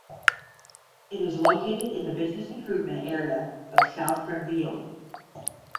It is located in the Business Improvement Area of South Granville.